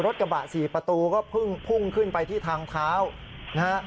รถกระบะ๔ประตูก็พุ่งขึ้นไปที่ทางเท้านะฮะ